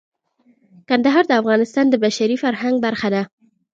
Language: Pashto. کندهار د افغانستان د بشري فرهنګ برخه ده.